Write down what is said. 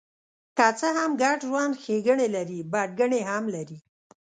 که څه هم ګډ ژوند ښېګڼې لري، بدګڼې هم لري.